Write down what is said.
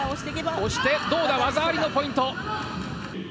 押して、どうだ、技ありのポイント。